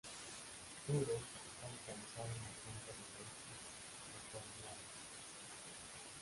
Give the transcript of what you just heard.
Truro está localizado en el centro del oeste de Cornualles.